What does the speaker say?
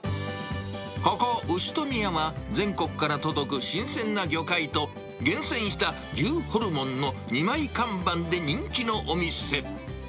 ここ、牛富屋は、全国から届く新鮮な魚介と、厳選した牛ホルモンの二枚看板で人気のお店。